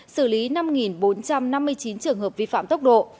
xử lý năm bốn trăm năm mươi chín trường hợp vi phạm tốc độ